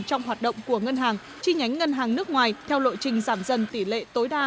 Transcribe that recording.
trong hoạt động của ngân hàng chi nhánh ngân hàng nước ngoài theo lộ trình giảm dần tỷ lệ tối đa